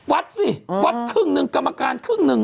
วัดสิวัดครึ่งหนึ่งกรรมการครึ่งหนึ่ง